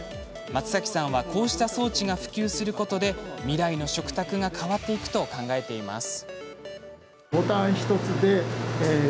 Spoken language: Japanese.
松崎さんはこうした装置が普及することで未来の食卓が変わっていくと考えています。